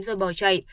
rồi bỏ chạy